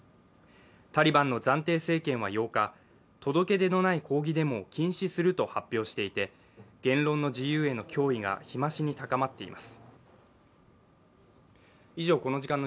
タリバンの暫定政権は８日、届け出のない抗議デモを禁止すると発表していて言論の自由への脅威が日増しに高まっています。